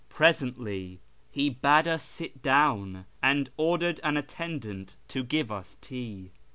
Presently he bade us sit down, and ordered an attendant to give us tea.